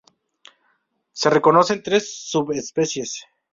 Se reconocen tres subespecies.